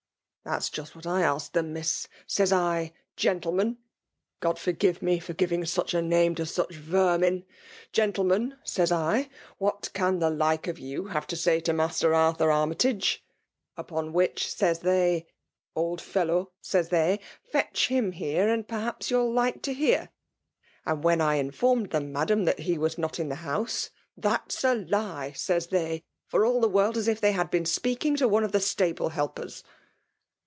"That's just what I asked them, Miss. Says I, * Gentlemen,' (God forgive me for .giving such a name to such vermin !)' Gentle men,' says I, ' What can the like of you have to say to Master Arthur Army tage ?' Upon which says they, ' Old fellow,' says they, * fetch him .h^e,.and perhaps you'^U like to hear.' And when I informed them. Madam, that he was • not in the house —' That 's a lie !' says they^ for all the world as if they had been speaking to one of the stable helpers.